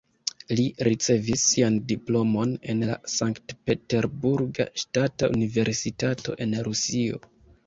Li ricevis sian diplomon en la Sankt-Peterburga Ŝtata Universitato en Rusio.